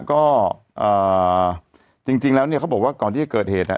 ก็จริงแล้วเนี่ยเขาบอกว่าก่อนที่จะเกิดเหตุเนี่ย